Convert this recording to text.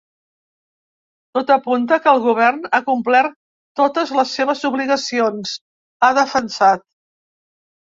Tot apunta que el govern ha complert totes les seves obligacions, ha defensat.